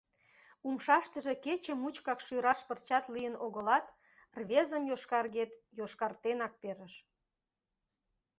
Умшаштыже кече мучкак шӱраш пырчат лийын огылат, рвезым йошкаргет йошкартенак перыш.